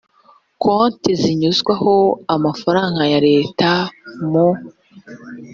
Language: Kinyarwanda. konti zinyuzwaho amafaranga ya leta mu